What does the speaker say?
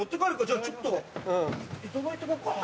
じゃあちょっと頂いてこうかな。